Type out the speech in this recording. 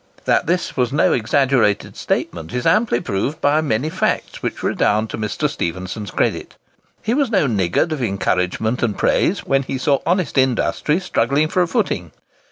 That this was no exaggerated statement is amply proved by many facts which redound to Mr. Stephenson's credit. He was no niggard of encouragement and praise when he saw honest industry struggling for a footing.